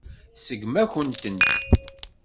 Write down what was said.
Tseggem-akent-tent.